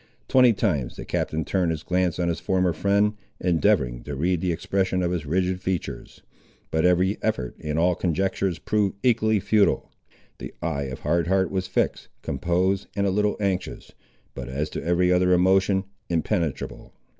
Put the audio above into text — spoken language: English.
Twenty times the Captain turned his glance on his former friend, endeavouring to read the expression of his rigid features. But every effort and all conjectures proved equally futile. The eye of Hard Heart was fixed, composed, and a little anxious; but as to every other emotion, impenetrable.